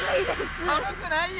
寒くないよ！